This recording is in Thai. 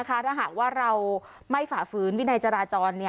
ถ้าหากว่าเราไม่ฝ่าฝืนวินัยจราจร